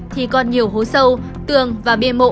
thì còn nhiều hố sâu tường và bia mộ